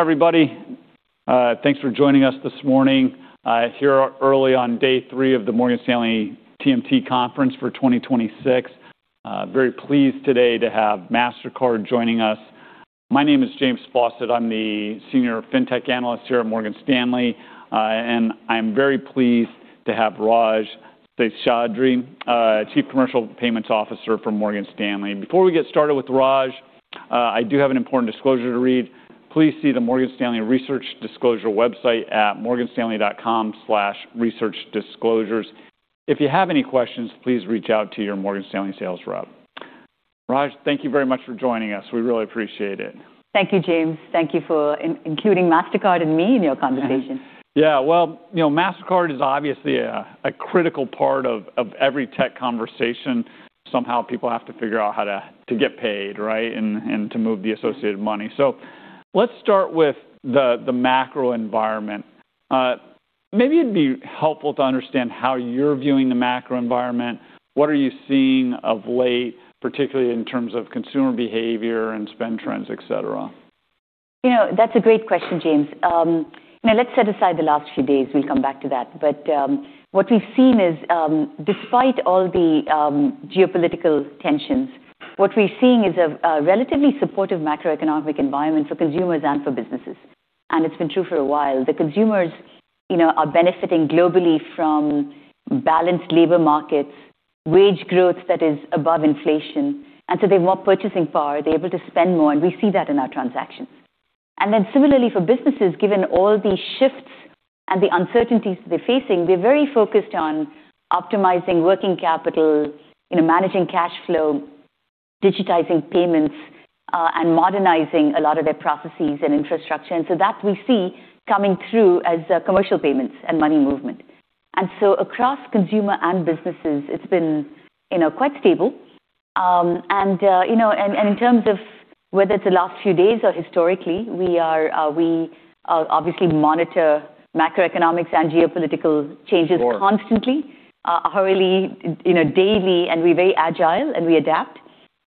Everybody, thanks for joining us this morning, here early on day three of the Morgan Stanley TMT Conference for 2026. Very pleased today to have Mastercard joining us. My name is James Faucette. I'm the senior fintech analyst here at Morgan Stanley. I'm very pleased to have Raj Seshadri, Chief Commercial Payments Officer for Morgan Stanley. Before we get started with Raj, I do have an important disclosure to read. Please see the Morgan Stanley research disclosure website at morganstanley.com/researchdisclosures. If you have any questions, please reach out to your Morgan Stanley sales rep. Raj, thank you very much for joining us. We really appreciate it. Thank you, James. Thank you for including Mastercard and me in your conversation. Well, you know, Mastercard is obviously a critical part of every tech conversation. Somehow people have to figure out how to get paid, right? To move the associated money. Let's start with the macro environment. Maybe it'd be helpful to understand how you're viewing the macro environment. What are you seeing of late, particularly in terms of consumer behavior and spend trends, et cetera? You know, that's a great question, James. You know, let's set aside the last few days. We'll come back to that. What we've seen is, despite all the geopolitical tensions, what we're seeing is a relatively supportive macroeconomic environment for consumers and for businesses, and it's been true for a while. The consumers, you know, are benefiting globally from balanced labor markets, wage growth that is above inflation, and so they've more purchasing power. They're able to spend more, and we see that in our transactions. Then similarly for businesses, given all the shifts and the uncertainties they're facing, they're very focused on optimizing working capital, you know, managing cash flow, digitizing payments, and modernizing a lot of their processes and infrastructure. That we see coming through as commercial payments and money movement. Across consumer and businesses, it's been, you know, quite stable. You know, in terms of whether it's the last few days or historically, we are, obviously monitor macroeconomics and geopolitical changes... Sure Constantly, hourly, you know, daily, we're very agile, and we adapt.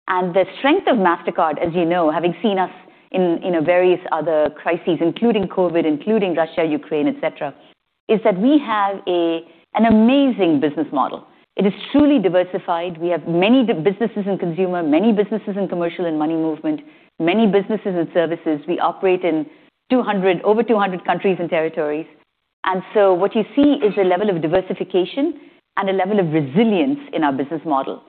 The strength of Mastercard, as you know, having seen us in, you know, various other crises, including COVID, including Russia, Ukraine, et cetera, is that we have an amazing business model. It is truly diversified. We have many businesses and consumer, many businesses and commercial and money movement, many businesses and services. We operate in 200, over 200 countries and territories. What you see is a level of diversification and a level of resilience in our business model.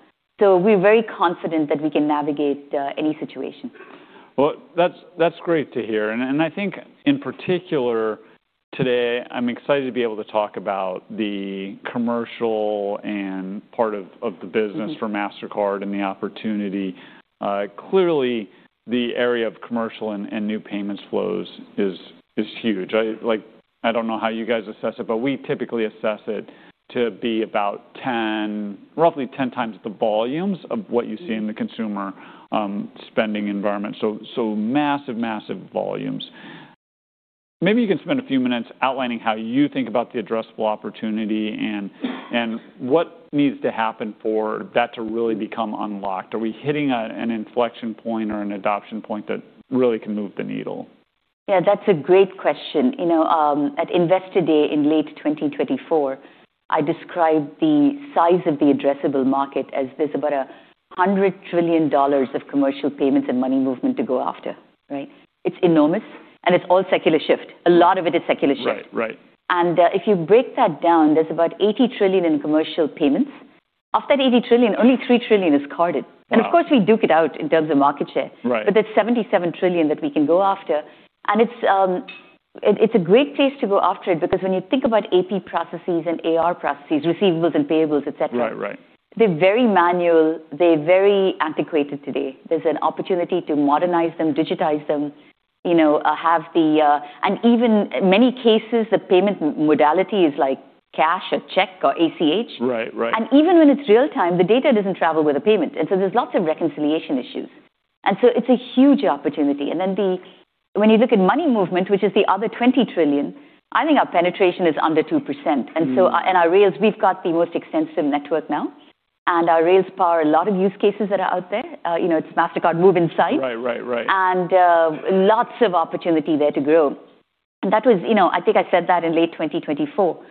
We're very confident that we can navigate any situation. Well, that's great to hear. I think in particular today I'm excited to be able to talk about the commercial part of the business. Mm-hmm. for Mastercard and the opportunity. Clearly the area of commercial and new payments flows is huge. I like, I don't know how you guys assess it, but we typically assess it to be about roughly 10 times the volumes of what you see- Mm. in the consumer spending environment. Massive volumes. Maybe you can spend a few minutes outlining how you think about the addressable opportunity and what needs to happen for that to really become unlocked. Are we hitting an inflection point or an adoption point that really can move the needle? Yeah, that's a great question. You know, at Investor Day in late 2024, I described the size of the addressable market as there's about $100 trillion of commercial payments and money movement to go after, right? It's enormous, and it's all secular shift. A lot of it is secular shift. Right. Right. If you break that down, there's about $80 trillion in commercial payments. Of that $80 trillion, only $3 trillion is carded. Wow. Of course, we duke it out in terms of market share. Right. There's $77 trillion that we can go after. It's, it's a great place to go after it because when you think about AP processes and AR processes, receivables and payables, et cetera. Right. Right. they're very manual. They're very antiquated today. There's an opportunity to modernize them, digitize them, you know. Even many cases, the payment modality is like cash or check or ACH. Right. Right. Even when it's real-time, the data doesn't travel with the payment, and so there's lots of reconciliation issues. So it's a huge opportunity. Then when you look at money movement, which is the other $20 trillion, I think our penetration is under 2%. Mm. Our rails, we've got the most extensive network now, and our rails power a lot of use cases that are out there. You know, it's Mastercard Move insight. Right. Right. Right. Lots of opportunity there to grow. That was, you know, I think I said that in late 2024.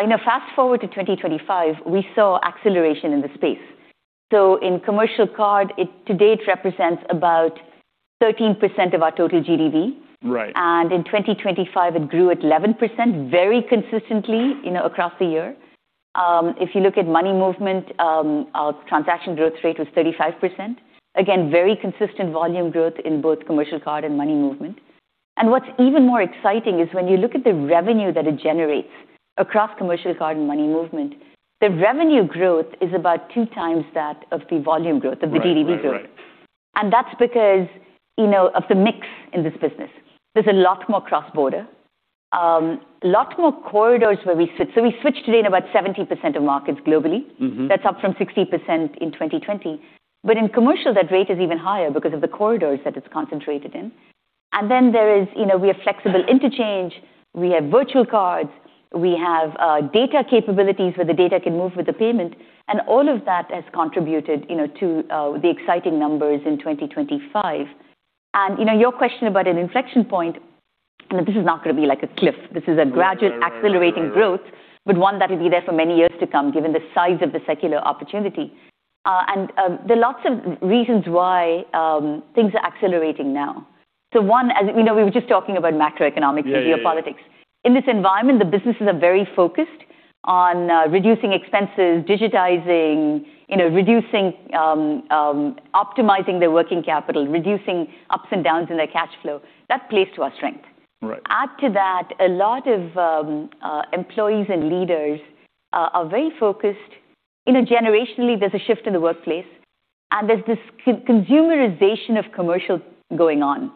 You know, fast-forward to 2025, we saw acceleration in the space. In commercial card, it to date represents about 13% of our total GDV. Right. In 2025, it grew at 11% very consistently, you know, across the year. If you look at money movement, our transaction growth rate was 35%. Again, very consistent volume growth in both commercial card and money movement. What's even more exciting is when you look at the revenue that it generates across commercial card and money movement, the revenue growth is about 2x that of the volume growth. Right. Right. Right. of the GDV growth. That's because, you know, of the mix in this business. There's a lot more cross-border, lot more corridors where we switch. We switch today in about 70% of markets globally. Mm-hmm. That's up from 60% in 2020. In commercial, that rate is even higher because of the corridors that it's concentrated in. Then there is, you know, we have flexible interchange, we have virtual cards. We have data capabilities where the data can move with the payment, and all of that has contributed, you know, to the exciting numbers in 2025. You know, your question about an inflection point, this is not gonna be like a cliff. This is a gradual accelerating growth, but one that will be there for many years to come, given the size of the secular opportunity. And, there are lots of reasons why, things are accelerating now. One, as we know, we were just talking about macroeconomics, geopolitics. Yeah, yeah. In this environment, the businesses are very focused on reducing expenses, digitizing, you know, reducing, optimizing their working capital, reducing ups and downs in their cash flow. That plays to our strength. Right. A lot of employees and leaders are very focused. You know, generationally, there's a shift in the workplace, and there's this consumerization of commercial going on.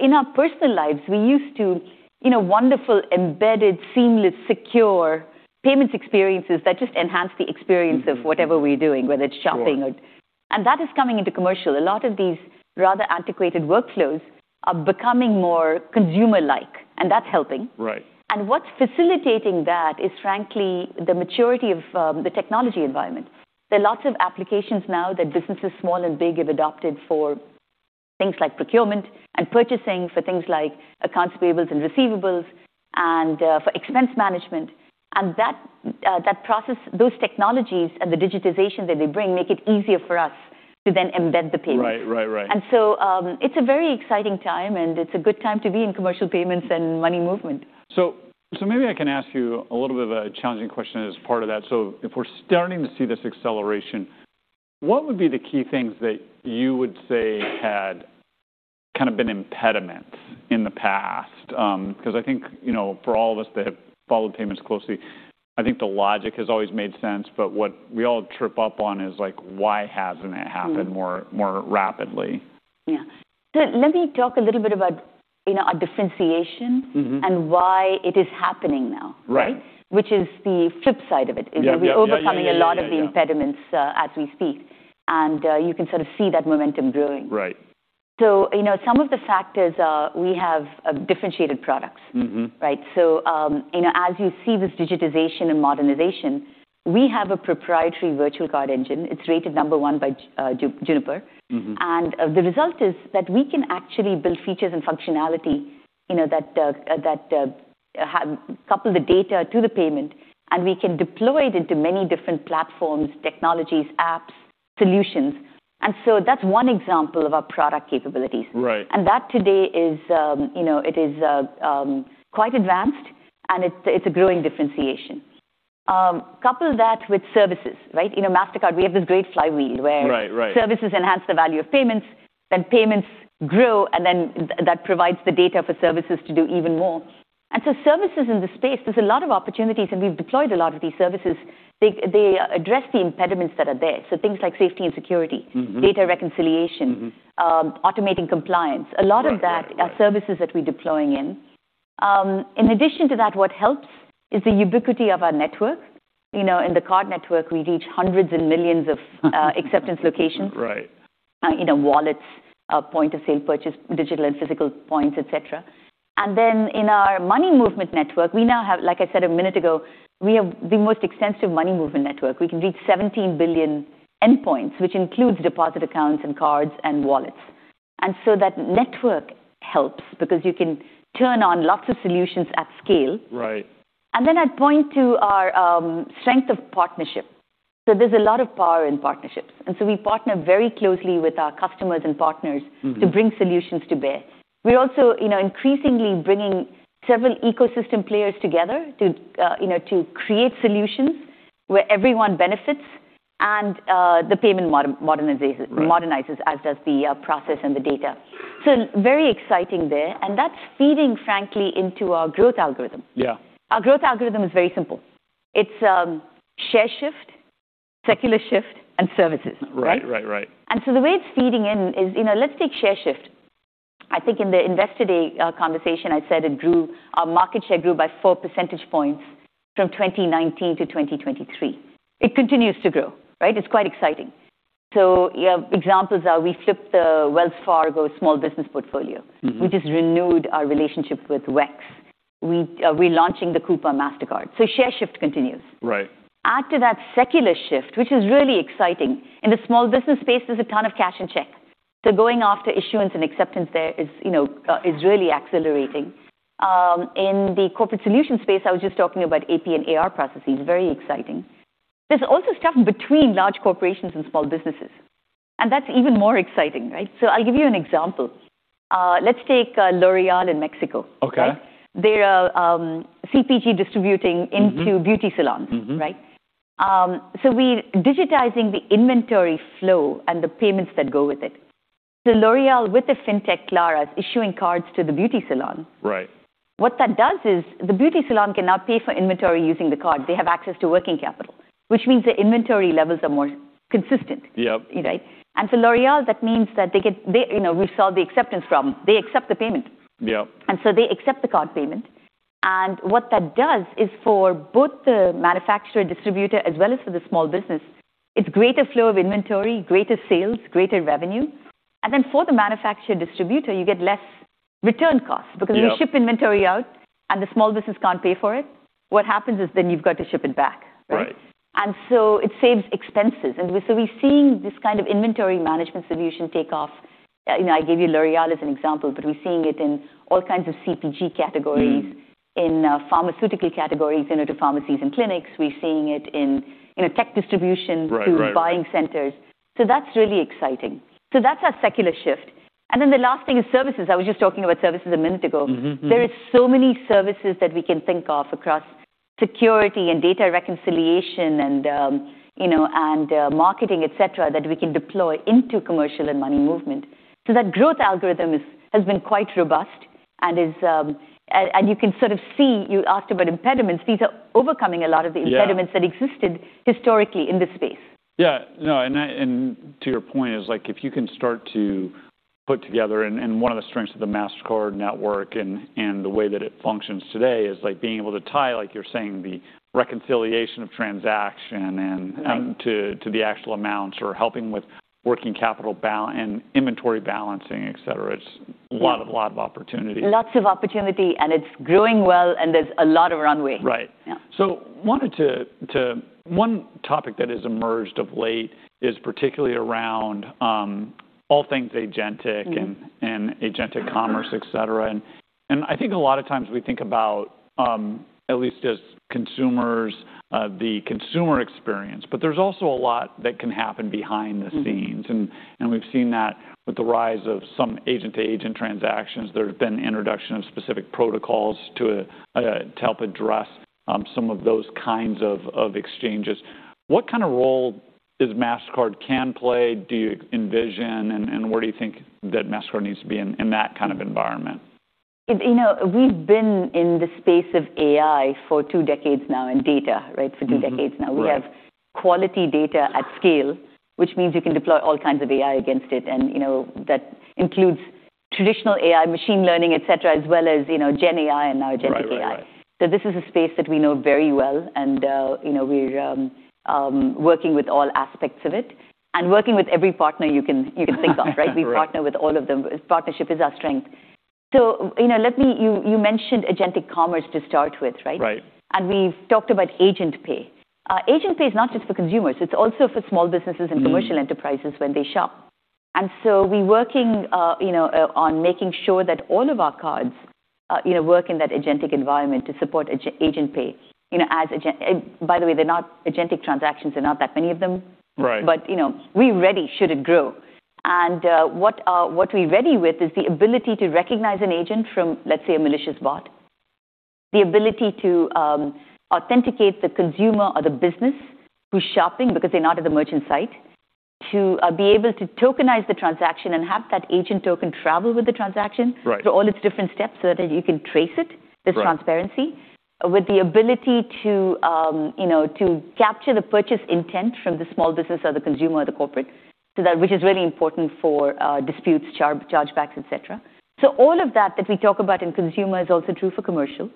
In our personal lives, we're used to, you know, wonderful, embedded, seamless, secure payments experiences that just enhance the experience. Mm-hmm. of whatever we're doing, whether it's shopping or... Sure. That is coming into commercial. A lot of these rather antiquated workflows are becoming more consumer-like, and that's helping. Right. What's facilitating that is, frankly, the maturity of the technology environment. There are lots of applications now that businesses small and big have adopted for things like procurement and purchasing, for things like accounts payables and receivables, and for expense management. That process, those technologies and the digitization that they bring make it easier for us to then embed the payment. Right. Right. Right. It's a very exciting time, and it's a good time to be in commercial payments and money movement. Maybe I can ask you a little bit of a challenging question as part of that. If we're starting to see this acceleration, what would be the key things that you would say had kinda been impediments in the past? 'Cause I think, you know, for all of us that have followed payments closely, I think the logic has always made sense, but what we all trip up on is, like, why hasn't it happened. Mm. more rapidly? Yeah. Let me talk a little bit about, you know, our differentiation... Mm-hmm. Why it is happening now. Right. Which is the flip side of it. Yeah. Is that we're overcoming a lot of the impediments, as we speak, and you can sort of see that momentum growing. Right. You know, some of the factors are we have, differentiated products. Mm-hmm. Right? You know, as you see this digitization and modernization, we have a proprietary virtual card engine. It's rated number one by Juniper Research. Mm-hmm. The result is that we can actually build features and functionality, you know, that couple the data to the payment, and we can deploy it into many different platforms, technologies, apps, solutions. That's one example of our product capabilities. Right. That today is, you know, it is, quite advanced, and it's a growing differentiation. Couple that with services, right? You know, Mastercard, we have this great flywheel where. Right, right. -services enhance the value of payments, then payments grow, and then that provides the data for services to do even more. Services in this space, there's a lot of opportunities, and we've deployed a lot of these services. They address the impediments that are there, so things like safety and security- Mm-hmm. data reconciliation Mm-hmm. automating compliance. Right. Right. Right. A lot of that are services that we're deploying in. In addition to that, what helps is the ubiquity of our network. You know, in the card network, we reach hundreds and millions of acceptance locations. Right. You know, wallets, point-of-sale purchase, digital and physical points, et cetera. Then in our money movement network, we now have, like I said a minute ago, we have the most extensive money movement network. We can reach 17 billion endpoints, which includes deposit accounts and cards and wallets. So that network helps because you can turn on lots of solutions at scale. Right. I'd point to our strength of partnership. There's a lot of power in partnerships, and so we partner very closely with our customers and partners. Mm-hmm. to bring solutions to bear. We're also, you know, increasingly bringing several ecosystem players together to, you know, to create solutions where everyone benefits and the payment. Right. modernizes, as does the process and the data. Very exciting there, and that's feeding, frankly, into our growth algorithm. Yeah. Our growth algorithm is very simple. It's, share shift, secular shift, and services. Right. Right. Right. The way it's feeding in is, you know, let's take share shift. I think in the Investor Day conversation, I said it grew, our market share grew by 4 percentage points from 2019 to 2023. It continues to grow, right? It's quite exciting. Yeah, examples are we flipped the Wells Fargo small business portfolio. Mm-hmm. We just renewed our relationship with WEX. We're relaunching the Coupa Mastercard. Share shift continues. Right. Add to that secular shift, which is really exciting. In the small business space, there's a ton of cash in check. Going after issuance and acceptance there is, you know, is really accelerating. In the corporate solution space, I was just talking about AP and AR processes, very exciting. There's also stuff between large corporations and small businesses, and that's even more exciting, right? I'll give you an example. Let's take L'Oréal in Mexico. Okay. Right? They are, CPG distributing into beauty salons. Mm-hmm. Mm-hmm. Right? We're digitizing the inventory flow and the payments that go with it. L'Oréal, with the fintech Clara, is issuing cards to the beauty salon. Right. What that does is the beauty salon can now pay for inventory using the card. They have access to working capital, which means their inventory levels are more consistent. Yep. Right? For L'Oréal, that means that they get, they, you know, we've solved the acceptance problem. They accept the payment. Yep. They accept the card payment, and what that does is for both the manufacturer, distributor, as well as for the small business, it's greater flow of inventory, greater sales, greater revenue. For the manufacturer distributor, you get less return costs. Yeah. You ship inventory out, and the small business can't pay for it, what happens is then you've got to ship it back, right? Right. It saves expenses. We're seeing this kind of inventory management solution take off. you know, I gave you L'Oréal as an example, but we're seeing it in all kinds of CPG categories. Mm-hmm in pharmaceutical categories, you know, to pharmacies and clinics. We're seeing it in, you know, tech. Right. Right.... to buying centers. That's really exciting. That's our secular shift. The last thing is services. I was just talking about services a minute ago. Mm-hmm. Mm-hmm. There are so many services that we can think of across security and data reconciliation and, you know, marketing, et cetera, that we can deploy into commercial and money movement. That growth algorithm is, has been quite robust and is, and you can sort of see, you asked about impediments. These are overcoming a lot of the impediments. Yeah... that existed historically in this space. Yeah. No, to your point is, like, if you can start to put together, and one of the strengths of the Mastercard network and the way that it functions today is, like, being able to tie, like you're saying, the reconciliation of transaction and. Right... to the actual amounts or helping with working capital and inventory balancing, et cetera. It's a lot of opportunity. Lots of opportunity, and it's growing well, and there's a lot of runway. Right. Yeah. Wanted to. One topic that has emerged of late is particularly around all things agentic. Mm-hmm... and agentic commerce, et cetera. I think a lot of times we think about, at least as consumers, the consumer experience, but there's also a lot that can happen behind the scenes. Mm-hmm. We've seen that with the rise of some agent-to-agent transactions. There have been introduction of specific protocols to help address some of those kinds of exchanges. What kind of role does Mastercard can play do you envision, and where do you think that Mastercard needs to be in that kind of environment? You know, we've been in the space of AI for two decades now, and data, right? For two decades now. Right. We have quality data at scale, which means you can deploy all kinds of AI against it, and, you know, that includes traditional AI, machine learning, et cetera, as well as, you know, GenAI and now Agentic AI. Right. Right. Right. This is a space that we know very well, and, you know, we're working with all aspects of it and working with every partner you can think of, right? Right. We partner with all of them. Partnership is our strength. You know, you mentioned agentic commerce to start with, right? Right. We've talked about Agent Pay. Agent Pay is not just for consumers. It's also for small businesses. Mm-hmm... and commercial enterprises when they shop. We working, you know, on making sure that all of our cards, you know, work in that agentic environment to support Agent Pay. You know, By the way, they're not agentic transactions. There are not that many of them. Right. You know, we're ready should it grow. What we're ready with is the ability to recognize an agent from, let's say, a malicious bot. The ability to authenticate the consumer or the business who's shopping because they're not at the merchant site. To be able to tokenize the transaction and have that agent token travel with the transaction. Right through all its different steps so that you can trace it. Right. There's transparency. With the ability to, you know, to capture the purchase intent from the small business or the consumer or the corporate. Which is really important for disputes, chargebacks, et cetera. All of that that we talk about in consumer is also true for commercial.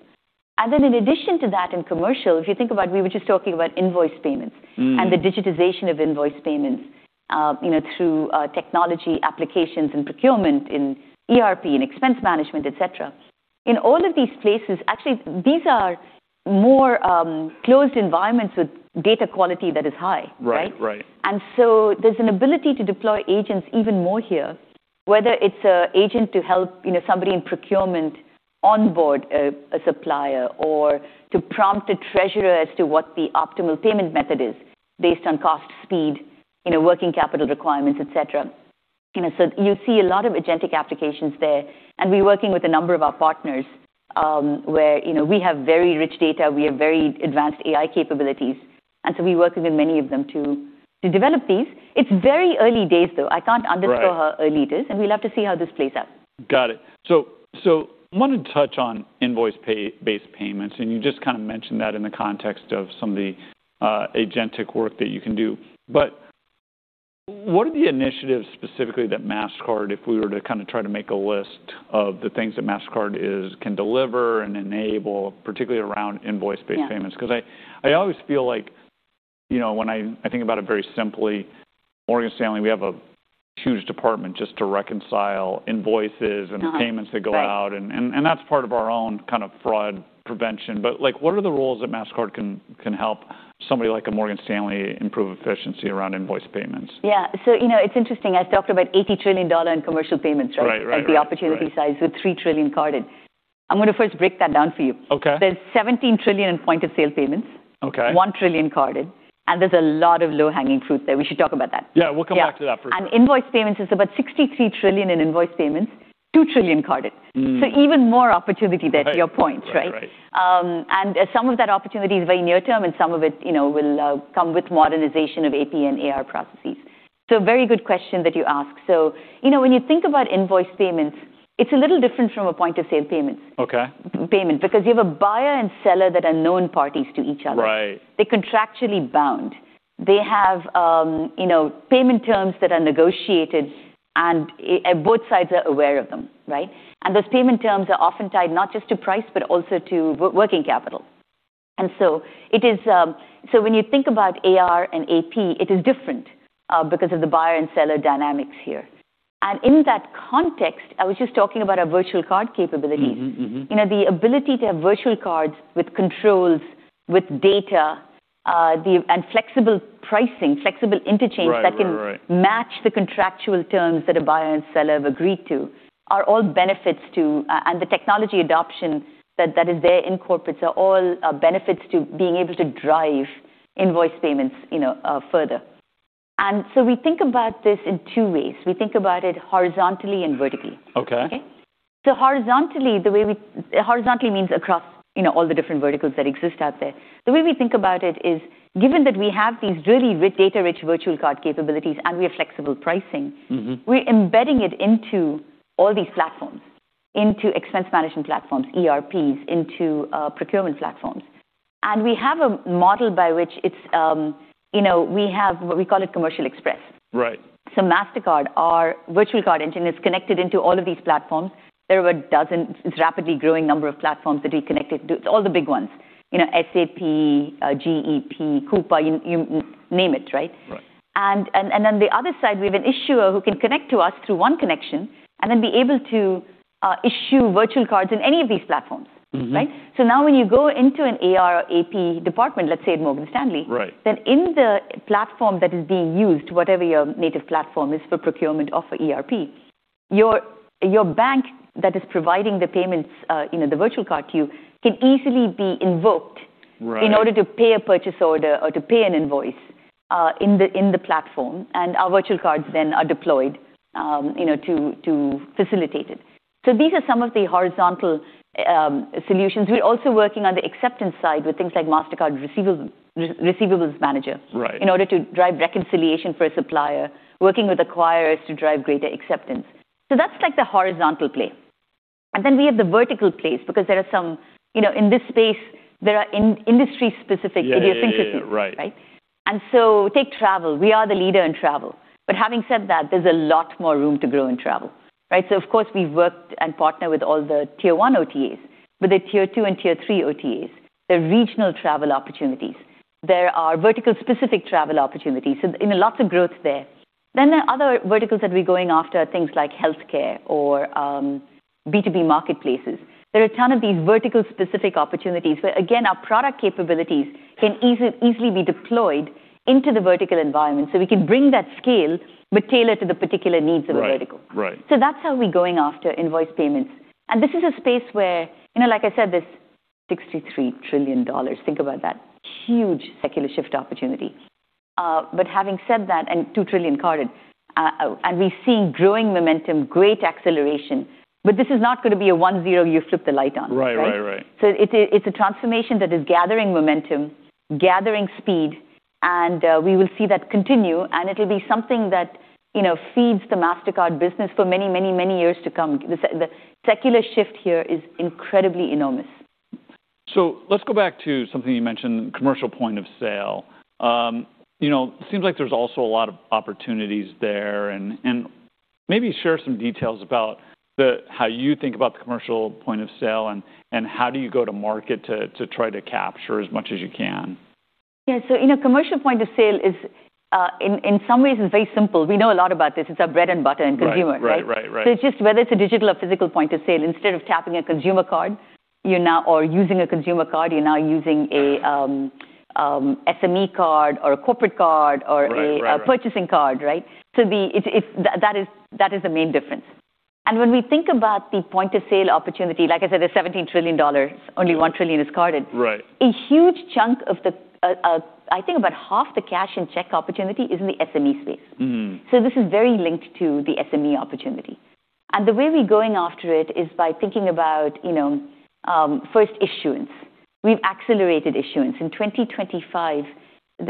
In addition to that in commercial, if you think about, we were just talking about invoice payments. Mm and the digitization of invoice payments, you know, through technology applications and procurement in ERP and expense management, et cetera. In all of these places, actually, these are more closed environments with data quality that is high, right? Right. Right. There's an ability to deploy agents even more here, whether it's a agent to help, you know, somebody in procurement onboard a supplier or to prompt a treasurer as to what the optimal payment method is based on cost, speed, you know, working capital requirements, et cetera. You see a lot of agentic applications there, and we're working with a number of our partners, where, you know, we have very rich data. We have very advanced AI capabilities. We're working with many of them to develop these. It's very early days, though. I can't. Right... underscore how early it is, and we'll have to see how this plays out. Got it. Wanted to touch on invoice pay-based payments, and you just kind of mentioned that in the context of some of the agentic work that you can do. What are the initiatives specifically that Mastercard, if we were to kind of try to make a list of the things that Mastercard can deliver and enable, particularly around invoice-based payments? Yeah. I always feel like, you know, when I think about it very simply, Morgan Stanley, we have a huge department just to reconcile invoices. Uh-huh payments that go out. Right. That's part of our own kind of fraud prevention. Like, what are the roles that Mastercard can help somebody like a Morgan Stanley improve efficiency around invoice payments? Yeah. You know, it's interesting. I talked about $80 trillion in commercial payments, right? Right, right. At the opportunity size with $3 trillion carded. I'm gonna first break that down for you. Okay. There's $17 trillion in point-of-sale payments. Okay. $1 trillion carded, and there's a lot of low-hanging fruit there. We should talk about that. Yeah, we'll come back to that for a second. Invoice payments is about $63 trillion in invoice payments, $2 trillion carded. Mm. Even more opportunity there, to your point, right? Right. Right. Some of that opportunity is very near term, and some of it, you know, will come with modernization of AP and AR processes. Very good question that you ask. You know, when you think about invoice payments, it's a little different from a point-of-sale payment. Okay. Payment. You have a buyer and seller that are known parties to each other. Right. They're contractually bound. They have, you know, payment terms that are negotiated, and both sides are aware of them, right? Those payment terms are often tied not just to price, but also to working capital. So it is, so when you think about AR and AP, it is different, because of the buyer and seller dynamics here. In that context, I was just talking about our virtual card capabilities. Mm-hmm. Mm-hmm. You know, the ability to have virtual cards with controls, with data, flexible pricing, flexible interchange. Right. Right, right that can match the contractual terms that a buyer and seller have agreed to are all benefits to. The technology adoption that is there in corporates are all benefits to being able to drive invoice payments, you know, further. We think about this in two ways. We think about it horizontally and vertically. Okay. Okay? Horizontally means across, you know, all the different verticals that exist out there. The way we think about it is, given that we have these really rich data-rich virtual card capabilities and we have flexible pricing. Mm-hmm... we're embedding it into all these platforms, into expense management platforms, ERPs, into procurement platforms. We have a model by which it's, you know, we have what we call it Commercial Express. Right. Mastercard, our virtual card engine is connected into all of these platforms. There are a dozen, it's rapidly growing number of platforms that we connected to. All the big ones. You know, SAP, GEP, Coupa, you name it, right? Right. On the other side, we have an issuer who can connect to us through one connection and then be able to issue virtual cards in any of these platforms. Mm-hmm. Right? Now when you go into an AR or AP department, let's say at Morgan Stanley. Right In the platform that is being used, whatever your native platform is for procurement or for ERP, your bank that is providing the payments, you know, the virtual card to you, can easily be invoked. Right... in order to pay a purchase order or to pay an invoice, in the, in the platform. Our virtual cards then are deployed, you know, to facilitate it. These are some of the horizontal solutions. We're also working on the acceptance side with things like Mastercard Receivables Manager. Right... in order to drive reconciliation for a supplier, working with acquirers to drive greater acceptance. That's like the horizontal play. We have the vertical plays because there are some, you know, in this space there are in-industry specific idiosyncrasies. Yeah. Right. Right? Take travel. We are the leader in travel. Having said that, there's a lot more room to grow in travel, right? Of course, we've worked and partner with all the tier one OTAs. The tier two and tier three OTAs, there are regional travel opportunities. There are vertical specific travel opportunities. You know, lots of growth there. There are other verticals that we're going after, things like healthcare or B2B marketplaces. There are a ton of these vertical specific opportunities where, again, our product capabilities can easily be deployed into the vertical environment, so we can bring that scale but tailor to the particular needs of a vertical. Right. Right. That's how we're going after invoice payments. This is a space where, you know, like I said, there's $63 trillion. Think about that. Huge secular shift opportunity. Having said that, $2 trillion carded, and we're seeing growing momentum, great acceleration. This is not gonna be a 1-0, you flip the light on. Right. Right. Right. Right? It's a, it's a transformation that is gathering momentum, gathering speed, and we will see that continue, and it'll be something that, you know, feeds the Mastercard business for many, many, many years to come. The secular shift here is incredibly enormous. Let's go back to something you mentioned, commercial point of sale. you know, seems like there's also a lot of opportunities there and maybe share some details how you think about the commercial point of sale and how do you go to market to try to capture as much as you can. Yeah. In a commercial point of sale is, in some ways it's very simple. We know a lot about this. It's our bread and butter in consumer. Right. It's just whether it's a digital or physical point of sale. Using a consumer card, you're now using a SME card or a corporate card. Right. Right. Right. a purchasing card, right? That is the main difference. When we think about the point of sale opportunity, like I said, there's $17 trillion. Only $1 trillion is carded. Right. A huge chunk of the, I think about half the cash and check opportunity is in the SME space. Mm-hmm. This is very linked to the SME opportunity. The way we're going after it is by thinking about, you know, first issuance. We've accelerated issuance. In 2025,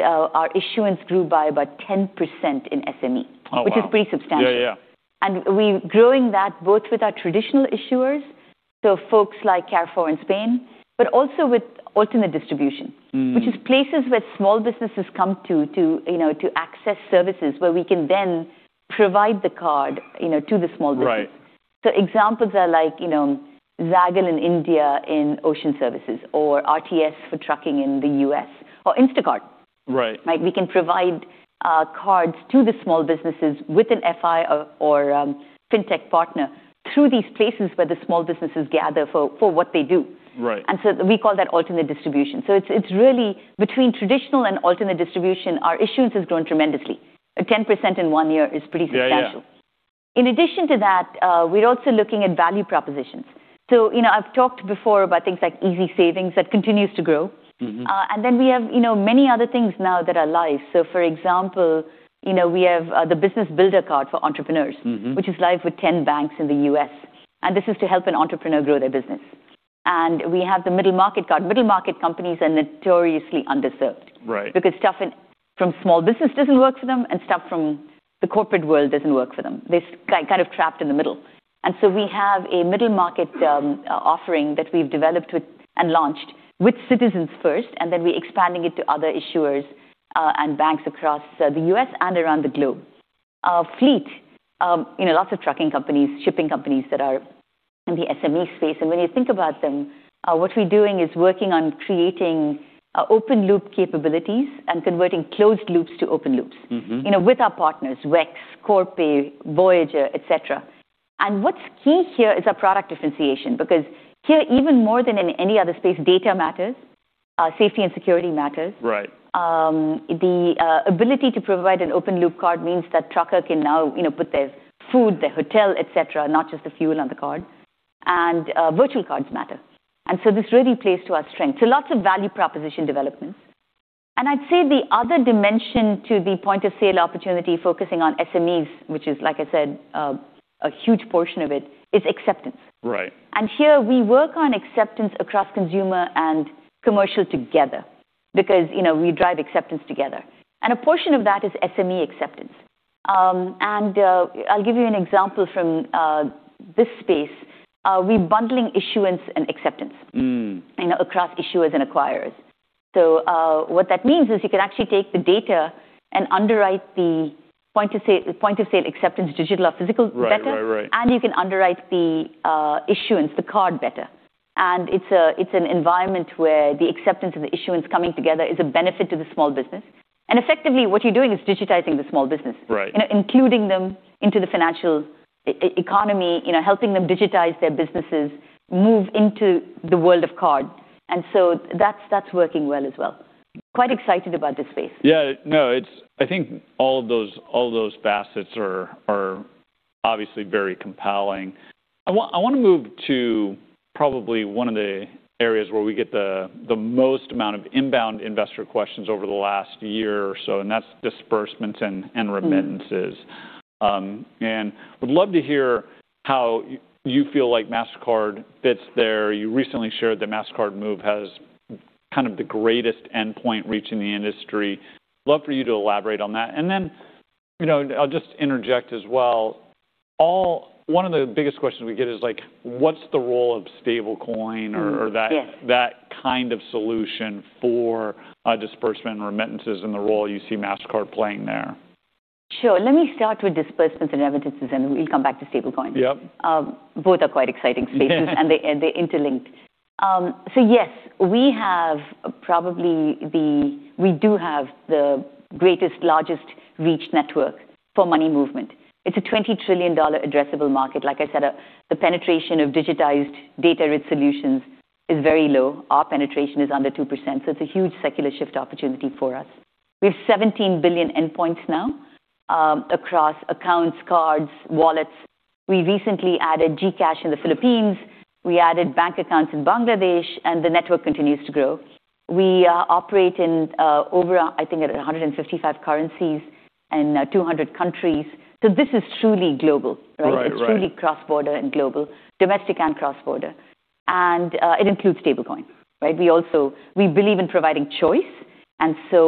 our issuance grew by about 10% in SME- Oh, wow... which is pretty substantial. Yeah. Yeah. We're growing that both with our traditional issuers, so folks like Carrefour in Spain, but also with alternate distribution... Mm-hmm which is places where small businesses come to, you know, to access services where we can then provide the card, you know, to the small business. Right. Examples are like, you know, Zaggle in India in ocean services or RTS for trucking in the U.S. or Instacart. Right. Like, we can provide cards to the small businesses with an FI or fintech partner through these places where the small businesses gather for what they do. Right. We call that alternate distribution. It's really between traditional and alternate distribution, our issuance has grown tremendously. 10% in one year is pretty substantial. Yeah. Yeah. In addition to that, we're also looking at value propositions. you know, I've talked before about things like Easy Savings that continues to grow. Mm-hmm. We have, you know, many other things now that are live. For example, you know, we have the Business Builder card for entrepreneurs. Mm-hmm... which is live with 10 banks in the U.S., and this is to help an entrepreneur grow their business. We have the Middle Market card. middle market companies are notoriously underserved- Right.... because stuff in, from small business doesn't work for them, and stuff from the corporate world doesn't work for them. They're kind of trapped in the middle. So we have a middle market offering that we've developed with and launched with Citizens first, then we're expanding it to other issuers and banks across the U.S. and around the globe. Our fleet, you know, lots of trucking companies, shipping companies that are in the SME space. When you think about them, what we're doing is working on creating open loop capabilities and converting closed loops to open loops. Mm-hmm. You know, with our partners, WEX, Corpay, Voyager, et cetera. What's key here is our product differentiation because here even more than in any other space, data matters, safety and security matters. Right. The ability to provide an open loop card means that trucker can now, you know, put their food, their hotel, et cetera, not just the fuel on the card. Virtual cards matter. This really plays to our strength. Lots of value proposition development. I'd say the other dimension to the point of sale opportunity focusing on SMEs, which is, like I said, a huge portion of it, is acceptance. Right. Here we work on acceptance across consumer and commercial together because, you know, we drive acceptance together. A portion of that is SME acceptance. I'll give you an example from this space. We're bundling issuance and. Mm. you know, across issuers and acquirers. What that means is you can actually take the data and underwrite the point of sale acceptance, digital or physical better. Right. Right. Right. You can underwrite the issuance, the card better. It's an environment where the acceptance of the issuance coming together is a benefit to the small business. Effectively what you're doing is digitizing the small business. Right. You know, including them into the financial economy, you know, helping them digitize their businesses move into the world of card. That's, that's working well as well. Quite excited about this space. Yeah. No, it's. I think all of those facets are obviously very compelling. I wanna move to probably one of the areas where we get the most amount of inbound investor questions over the last year or so, and that's disbursements and remittances. Mm. Would love to hear how you feel like Mastercard fits there. You recently shared that Mastercard Move has kind of the greatest endpoint reach in the industry. Love for you to elaborate on that. Then, you know, I'll just interject as well. One of the biggest questions we get is, like, what's the role of stablecoin or that... Yeah. -that kind of solution for, disbursement and remittances and the role you see Mastercard playing there? Sure. Let me start with disbursements and remittances, and we'll come back to stablecoin. Yep. Both are quite exciting spaces and they're interlinked. Yes, we do have the greatest, largest reach network for money movement. It's a $20 trillion addressable market. Like I said, the penetration of digitized data-rich solutions is very low. Our penetration is under 2%, so it's a huge secular shift opportunity for us. We have 17 billion endpoints now, across accounts, cards, wallets. We recently added GCash in the Philippines. We added bank accounts in Bangladesh, and the network continues to grow. We operate in over, I think, at 155 currencies and 200 countries. This is truly global, right? Right. Right. It's truly cross-border and global. Domestic and cross-border. It includes stablecoin, right? We believe in providing choice,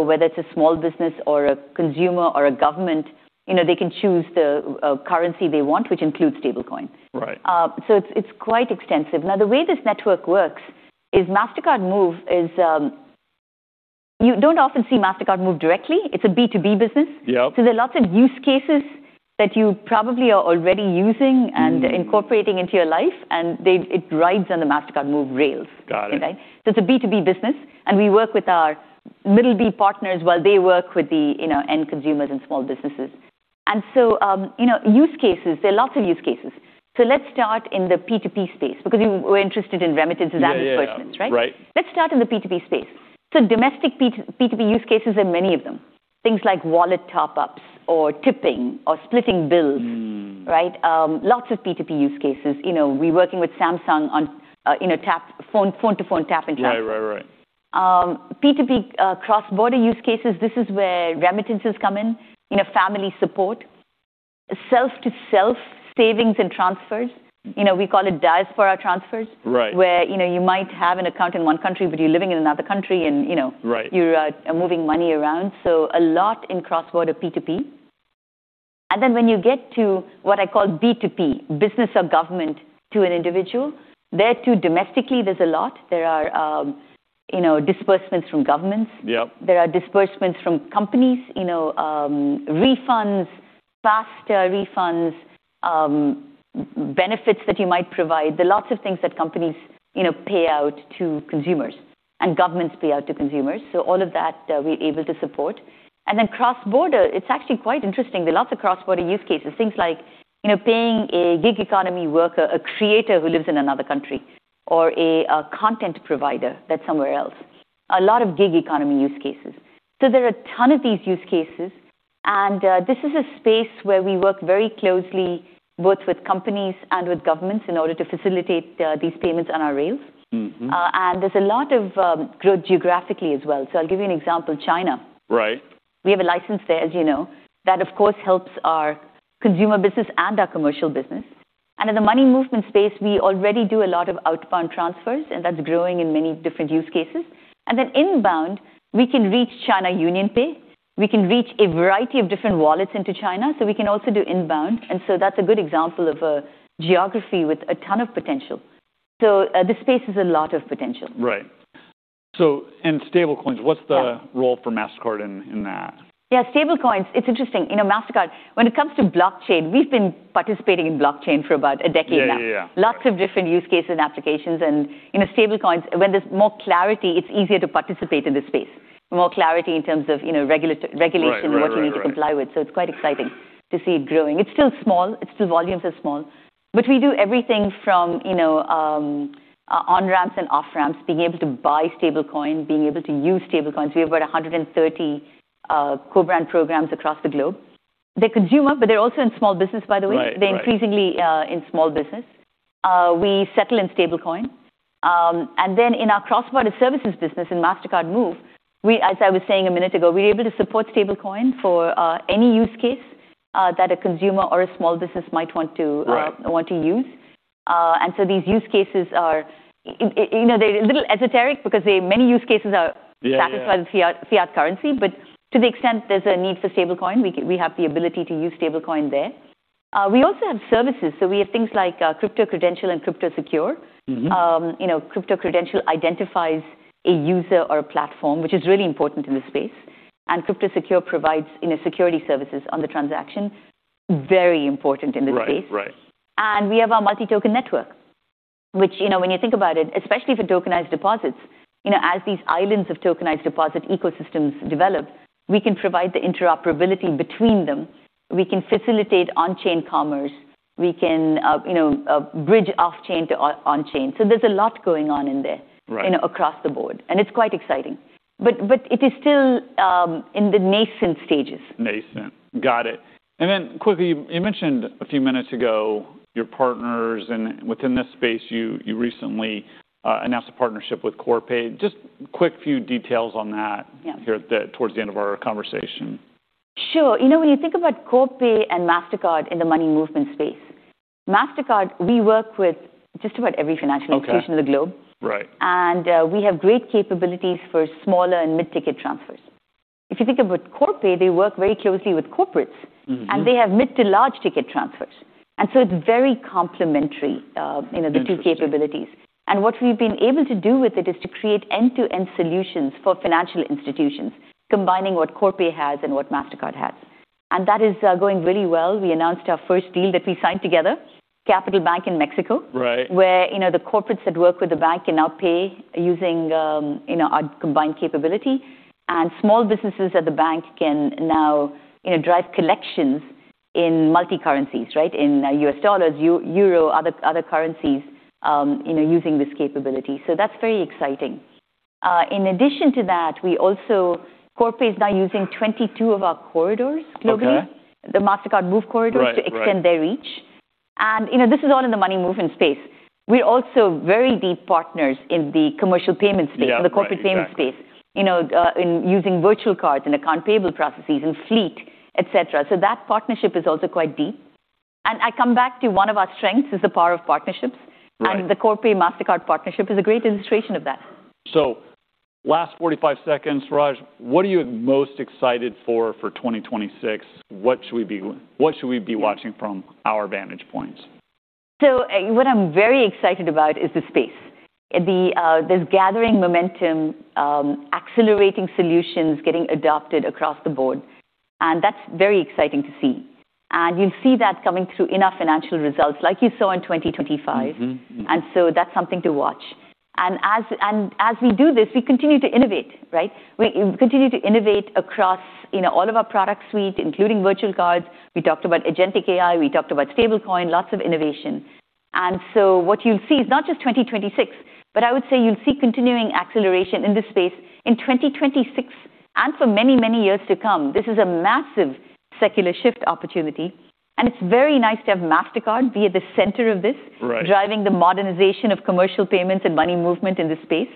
whether it's a small business or a consumer or a government, you know, they can choose the currency they want, which includes stablecoin. Right. It's, it's quite extensive. The way this network works is Mastercard Move is. You don't often see Mastercard Move directly. It's a B2B business. Yep. There are lots of use cases that you probably are already using. Mm-hmm. incorporating into your life, it rides on the Mastercard Move rails. Got it. Right? It's a B2B business, and we work with our middle B partners while they work with the, you know, end consumers and small businesses. You know, use cases, there are lots of use cases. Let's start in the P2P space because you were interested in remittances and disbursements, right? Yeah. Yeah. Yeah. Right. Let's start in the P2P space. Domestic P2P use cases, there are many of them. Things like wallet top-ups or tipping or splitting bills. Mm. Right? Lots of P2P use cases. You know, we're working with Samsung on, you know, phone to phone tap and tap. Right. Right. Right. P2P, cross-border use cases, this is where remittances come in, you know, family support, self-to-self savings and transfers. You know, we call it diaspora transfers. Right. Where, you know, you might have an account in one country, but you're living in another country and, you know. Right. You are moving money around, so a lot in cross-border P2P. When you get to what I call B2P, business or government to an individual, there too, domestically, there's a lot. There are, you know, disbursements from governments. Yep. There are disbursements from companies. You know, refunds, faster refunds, benefits that you might provide. There are lots of things that companies, you know, pay out to consumers and governments pay out to consumers. All of that, we're able to support. Cross-border, it's actually quite interesting. There are lots of cross-border use cases. Things like, you know, paying a gig economy worker, a creator who lives in another country or a content provider that's somewhere else. A lot of gig economy use cases. There are a ton of these use cases, and this is a space where we work very closely both with companies and with governments in order to facilitate these payments on our rails. Mm-hmm. There's a lot of growth geographically as well. I'll give you an example, China. Right. We have a license there, as you know. That, of course, helps our consumer business and our commercial business. In the money movement space, we already do a lot of outbound transfers, and that's growing in many different use cases. Inbound, we can reach China UnionPay. We can reach a variety of different wallets into China, so we can also do inbound. That's a good example of a geography with a ton of potential. This space has a lot of potential. Right. Stablecoins, what's the role for Mastercard in that? Yeah, stablecoins, it's interesting. You know, Mastercard, when it comes to blockchain, we've been participating in blockchain for about a decade now. Yeah, yeah. Lots of different use cases and applications. You know, stablecoins, when there's more clarity, it's easier to participate in this space. More clarity in terms of, you know, regulation. Right, right, right What you need to comply with. It's quite exciting to see it growing. It's still small. Volumes are small. We do everything from, you know, on-ramps and off-ramps, being able to buy stablecoin, being able to use stablecoins. We have about 130 co-brand programs across the globe. They're consumer, but they're also in small business, by the way. Right. Right. They're increasingly in small business. We settle in stablecoin. Then in our cross-border services business in Mastercard Move, we, as I was saying a minute ago, we're able to support stablecoin for any use case that a consumer or a small business might want to. Right want to use. These use cases are... you know, they're a little esoteric because they, many use cases are- Yeah, yeah. sat outside of fiat currency. To the extent there's a need for stablecoin, we have the ability to use stablecoin there. We also have services. We have things like Crypto Credential and Crypto Secure. Mm-hmm. You know, Crypto Credential identifies a user or a platform, which is really important in this space. Crypto Secure provides, you know, security services on the transaction. Very important in this space. Right. Right. We have our Multi-Token Network, which, you know, when you think about it, especially for tokenized deposits, you know, as these islands of tokenized deposit ecosystems develop, we can provide the interoperability between them. We can facilitate on-chain commerce. We can, you know, bridge off-chain to on-chain. There's a lot going on in there. Right you know, across the board, and it's quite exciting. But it is still in the nascent stages. Nascent. Got it. Quickly, you mentioned a few minutes ago your partners, and within this space you recently announced a partnership with Corpay. Just quick few details on that. Yeah Here at the towards the end of our conversation. Sure. You know, when you think about Corpay and Mastercard in the money movement space, Mastercard, we work with just about every financial institution in the globe. Okay. Right. we have great capabilities for smaller and mid-ticket transfers. If you think about Corpay, they work very closely with corporates. Mm-hmm They have mid to large ticket transfers, and so it's very complementary, you know... Interesting The two capabilities. What we've been able to do with it is to create end-to-end solutions for financial institutions, combining what Corpay has and what Mastercard has. That is going really well. We announced our first deal that we signed together, Kapital Bank in Mexico. Right where, you know, the corporates that work with the bank can now pay using, you know, our combined capability. Small businesses at the bank can now, you know, drive collections in multi currencies, right? In US dollars, euro, other currencies, you know, using this capability. That's very exciting. In addition to that, we also Corpay is now using 22 of our corridors globally. Okay the Mastercard Move corridors Right. Right. to extend their reach. You know, this is all in the money movement space. We're also very deep partners in the commercial payment space. Yeah. Right. Exactly. In the corporate payment space, you know, in using virtual cards and account payable processes and fleet, et cetera. That partnership is also quite deep. I come back to one of our strengths is the power of partnerships. Right. The Corpay-Mastercard partnership is a great illustration of that. Last 45 seconds, Raj. What are you most excited for 2026? What should we be watching from our vantage points? What I'm very excited about is the space. The, this gathering momentum, accelerating solutions getting adopted across the board, that's very exciting to see. You'll see that coming through in our financial results, like you saw in 2025. Mm-hmm. Mm-hmm. That's something to watch. As we do this, we continue to innovate, right? We continue to innovate across, you know, all of our product suite, including virtual cards. We talked about Agentic AI, we talked about stablecoin, lots of innovation. What you'll see is not just 2026, but I would say you'll see continuing acceleration in this space in 2026 and for many, many years to come. This is a massive secular shift opportunity, and it's very nice to have Mastercard be at the center of this. Right driving the modernization of commercial payments and money movement in this space,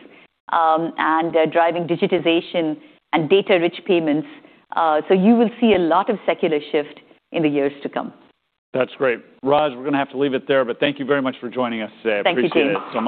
and driving digitization and data-rich payments. You will see a lot of secular shift in the years to come. That's great. Raj, we're gonna have to leave it there, but thank you very much for joining us today. Thank you, James. I appreciate it so much.